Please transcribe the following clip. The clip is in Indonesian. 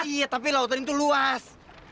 iya tapi lautan itu luas